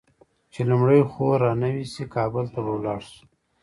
چې لومړۍ خور رانوې شي؛ کابل ته به ولاړ شو.